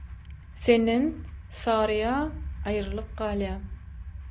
senden «Saryýa» aýrylyp galýar.